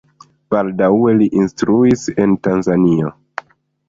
Baldaŭe li instruis en Tanzanio.